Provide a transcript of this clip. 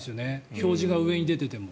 表示が上に出ていると。